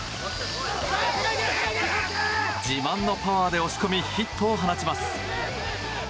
自慢のパワーで押し込みヒットを放ちます。